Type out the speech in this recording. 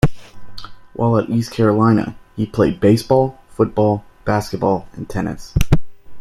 While at East Carolina, he played baseball, football, basketball, and tennis.